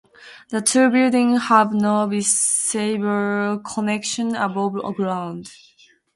The two buildings have no visible connection above ground.